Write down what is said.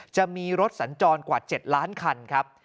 จะมีรถสัญจรกว่า๗ล้านคันครับ